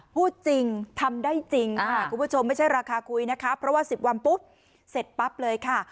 พูดจริงทำได้จริงค่ะคุณผู้ชมไม่ใช่ราคาคุยนะคะเพราะว่า๑๐วันปุ๊บเสร็จปั๊บเลยค่ะ